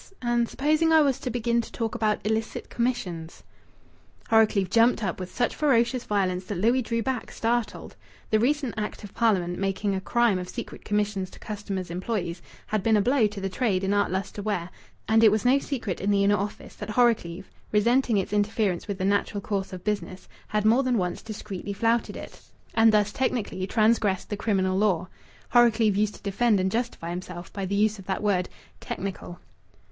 And supposing I was to begin to talk about illicit commissions?" Horrocleave jumped up with such ferocious violence that Louis drew back, startled. The recent Act of Parliament, making a crime of secret commissions to customers' employees, had been a blow to the trade in art lustre ware, and it was no secret in the inner office that Horrocleave, resenting its interference with the natural course of business, had more than once discreetly flouted it, and thus technically transgressed the criminal law. Horrocleave used to defend and justify himself by the use of that word "technical."